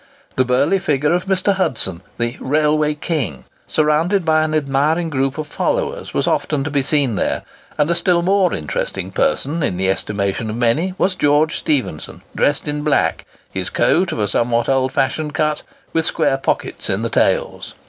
The burly figure of Mr. Hudson, the "Railway King," surrounded by an admiring group of followers, was often to be seen there; and a still more interesting person, in the estimation of many, was George Stephenson, dressed in black, his coat of somewhat old fashioned cut, with square pockets in the tails.